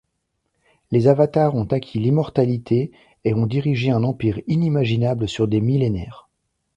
Les Avatars ont acquis l'immortalité, et ont dirigé un empire inimaginable sur des millénaires.